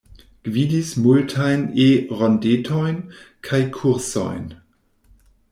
Gvidis multajn E-rondetojn kaj kursojn.